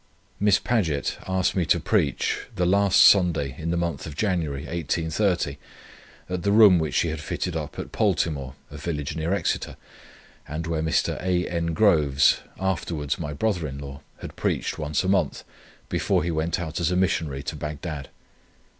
Miss Paget asked me to preach the last Tuesday in the month of January, 1830, at the room which she had fitted up at Poltimore, a village near Exeter, and where Mr. A. N. Groves, afterwards my brother in law, had preached once a month, before he went out as a Missionary to Bagdad.